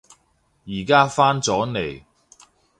而家返咗嚟